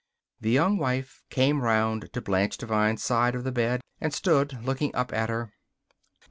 The Young Wife came round to Blanche Devine's side of the bed and stood looking up at her.